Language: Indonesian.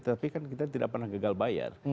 tapi kan kita tidak pernah gagal bayar